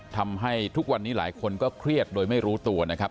ทำให้ทุกวันนี้หลายคนก็เครียดโดยไม่รู้ตัวนะครับ